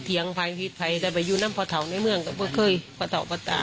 เทียงไปพีดไปแต่ไปอยู่น้ำพะเทาในเมืองก็พะเทาพะตา